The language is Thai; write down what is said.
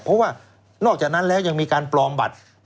เพราะว่านอกจากนั้นแล้วยังมีการปลอมบัตร